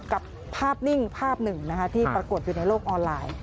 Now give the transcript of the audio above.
กับภาพนิ่งภาพหนึ่งนะคะที่ปรากฏอยู่ในโลกออนไลน์